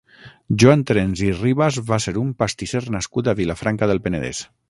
Joan Trens i Ribas va ser un pastisser nascut a Vilafranca del Penedès.